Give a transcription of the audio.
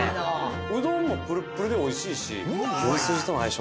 うどんもプルップルでおいしいし牛すじとの相性